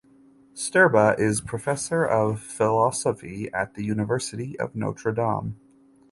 Sterba is Professor of Philosophy at the University of Notre Dame.